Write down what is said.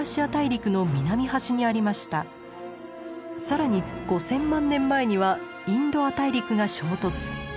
更に５，０００万年前にはインド亜大陸が衝突。